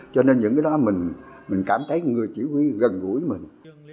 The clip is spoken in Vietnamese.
cho nên những cái đó mình cảm thấy người chỉ huy gần gũi mình